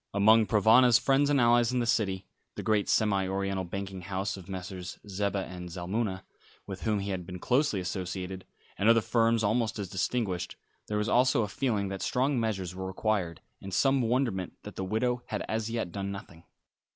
Among Provana's friends and allies in the City the great semi oriental banking house of Messrs. Zeba and Zalmunna, with whom he had been closely associated, and other firms almost as distinguished there was also a feeling that strong measures were required, and some wonderment that the widow had as yet done nothing.